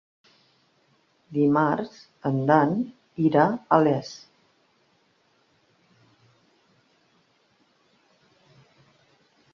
Dimarts en Dan irà a Les.